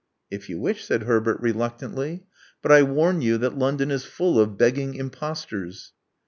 ••If you wish," said Herbert, reluctantly. But I warn you that London is full of begging impos tors."